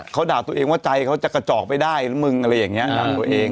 เขาด่าตัวเองว่าใจเขาจะกระจอกไปได้หรือมึงอะไรอย่างนี้ด่าตัวเอง